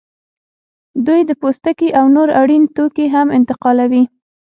دوی د پوستکي او نور اړین توکي هم انتقالوي